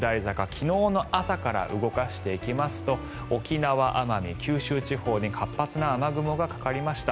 昨日の朝から動かしていきますと沖縄、奄美、九州地方に活発な雨雲がかかりました。